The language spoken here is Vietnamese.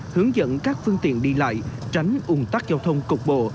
hướng dẫn các phương tiện đi lại tránh ủng tắc giao thông cục bộ